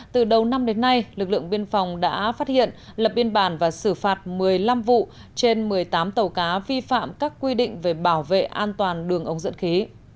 từ đầu năm đến nay lực lượng biên phòng đã phát hiện lập biên bản và xử phạt một mươi năm vụ trên một mươi tám tàu cá vi phạm các quy định về bảo vệ an toàn đường ống dẫn khí